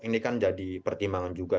ini kan jadi pertimbangan juga